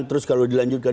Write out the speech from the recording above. terus kalau dilanjutkan